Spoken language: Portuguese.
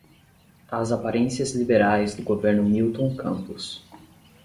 as aparências liberais do governo Milton Campos